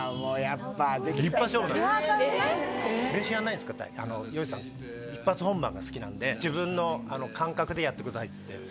って言ったらヨウジさん一発本番が好きなんで自分の感覚でやってくださいって。